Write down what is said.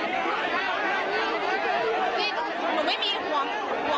หัวหนึ่ง